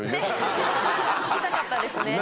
聴きたかったですね。